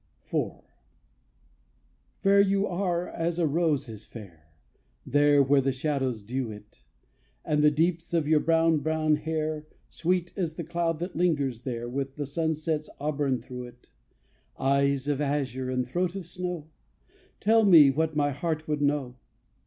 IV. Fair you are as a rose is fair, There where the shadows dew it; And the deeps of your brown, brown hair, Sweet as the cloud that lingers there With the sunset's auburn through it. Eyes of azure and throat of snow, Tell me what my heart would know!